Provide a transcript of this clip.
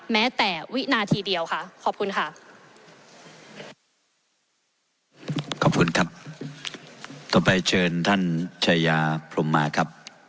แม้แต่วินาทีเดียวค่ะขอบคุณค่ะ